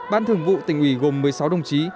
ban thường vụ tỉnh ủy gồm một mươi sáu đồng chí